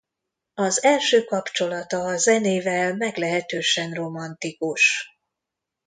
Az első kapcsolata a zenével meglehetősen romantikus.